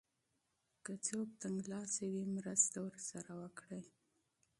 که څوک تنګلاسی وي مرسته ورسره وکړئ.